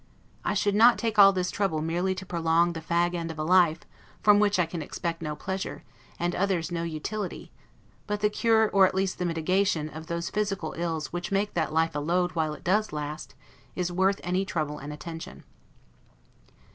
I should not take all this trouble merely to prolong the fag end of a life, from which I can expect no pleasure, and others no utility; but the cure, or at least the mitigation, of those physical ills which make that life a load while it does last, is worth any trouble and attention.